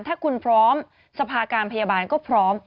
ถ้าคุณพร้อมสภาการพยาบาลก็พร้อม